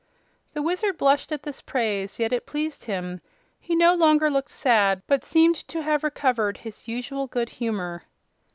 The Wizard blushed at this praise, yet it pleased him. He no longer looked sad, but seemed to have recovered his usual good humor.